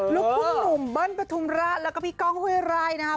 ลุกทุ่งหนุ่มเบิ้ลประทุมราชแล้วก็มีกองเวรายนะครับ